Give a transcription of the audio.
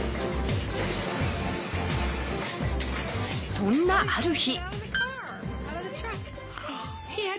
そんなある日。